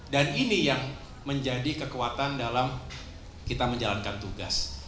dan ini yang menjadi kekuatan dalam kita menjalankan tugas